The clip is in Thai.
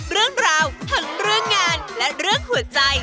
เรื่องราวทั้งเรื่องงานและเรื่องหัวใจ